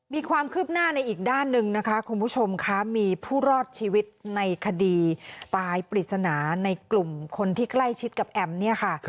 มีความคืบหน้าในอีกด้านหนึ่งนะคะคุณผู้ชมคะมีผู้รอดชีวิตในคดีตายปริศนาในกลุ่มคนที่ใกล้ชิดกับแอมเนี่ยค่ะ